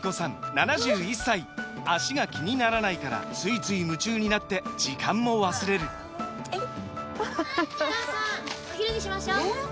７１歳脚が気にならないからついつい夢中になって時間も忘れるお母さんお昼にしましょうえー